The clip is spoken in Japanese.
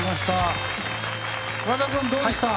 桑田君、どうでした？